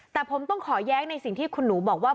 แต่ผมต้องขอแย้งในสิ่งที่คุณหนูบอกว่า